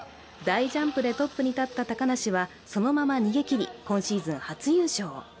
大ジャンプでトップに立った高梨はそのまま逃げきり今シーズン初優勝。